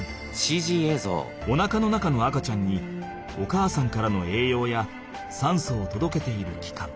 おなかの中の赤ちゃんにお母さんからのえいようやさんそをとどけているきかん。